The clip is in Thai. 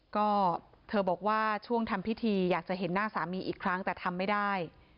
ก็เธอบอกว่าช่วงทำพิธีอยากจะเห็นหน้าสามีอีกครั้งแต่ทำไม่ได้